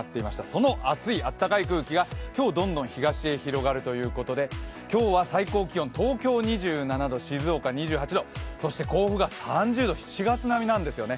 その熱い、あったかい空気が今日どんどん東へ広がるということで、今日は最高気温、東京２７度、静岡２８度、そして、甲府が３０度７月並みなんですね。